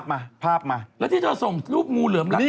ของคุณของคุณ